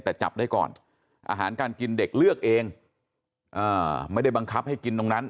แต่จับได้ก่อนอาหารการกินเด็กเลือกเองไม่ได้บังคับให้กินตรงนั้น